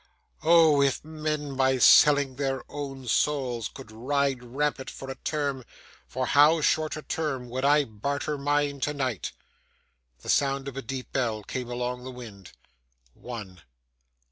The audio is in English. Oh! if men by selling their own souls could ride rampant for a term, for how short a term would I barter mine tonight!' The sound of a deep bell came along the wind. One.